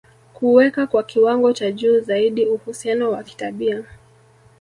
kuweka kwa kiwango cha juu zaidi uhusiano wa kitabia